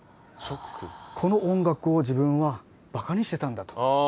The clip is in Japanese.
この音楽を自分はバカにしてたんだと。